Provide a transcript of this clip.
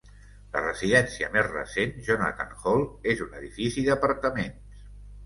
La residència més recent, Jonathan Hall- és un edifici d'apartaments.